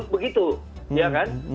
begitu ya kan